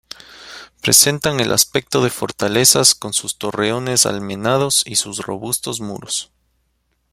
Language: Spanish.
Presentan el aspecto de fortalezas, con sus torreones almenados y sus robustos muros.